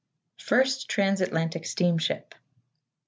=First Trans Atlantic Steamship.